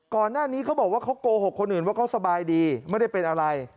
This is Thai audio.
เขาบอกว่าเขาโกหกคนอื่นว่าเขาสบายดีไม่ได้เป็นอะไร